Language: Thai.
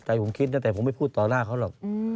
แต่ผมคิดนะแต่ผมไม่พูดต่อหน้าเขาหรอก